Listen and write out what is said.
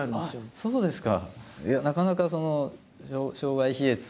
そうですか。